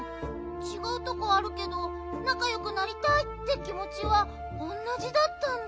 ちがうとこあるけどなかよくなりたいってきもちはおんなじだったんだ。